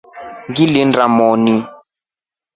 Ngilinda moni.